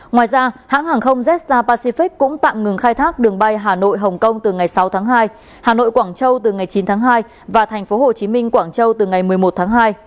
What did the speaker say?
ngoài ra hãng hàng không jetstar pacific cũng tạm ngừng khai thác đường bay hà nội hồng kông từ ngày sáu tháng hai hà nội quảng châu từ ngày chín tháng hai và tp hcm quảng châu từ ngày một mươi một tháng hai